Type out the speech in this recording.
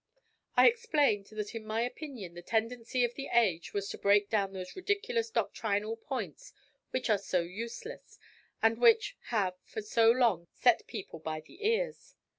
I explained that in my opinion the tendency of the age was to break down those ridiculous doctrinal points which are so useless, and which have for so long set people by the ears.